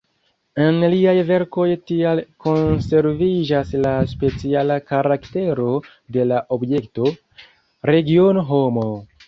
En liaj verkoj tial konserviĝas la speciala karaktero de la objekto, regiono, homo.